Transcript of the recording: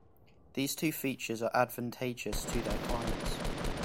These two features are advantageous to their clients.